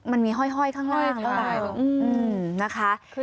มันมีห้อยข้างล่าง